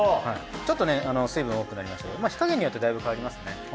ちょっとね水分多くなりましたけど火加減によってだいぶ変わりますね。